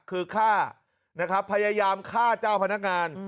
คือฆ่าพยายามฆ่าเจ้าพนักงาน